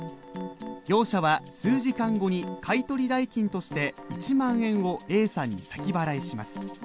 業者は数時間後に買い取り代金として１万円をＡさんに先払いします。